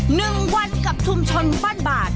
หนึ่งวันกับชุมชนบ้านบาด